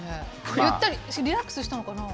ゆったりリラックスしたのかな？